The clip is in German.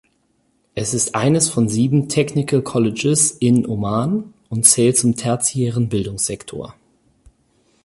Es ist eines von sieben "Technical Colleges" in Oman und zählt zum tertiären Bildungssektor.